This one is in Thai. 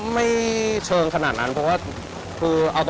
ไม่เชิงขนาดนั้นเพราะว่าคือ